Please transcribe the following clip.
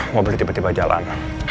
mobil tiba tiba jalan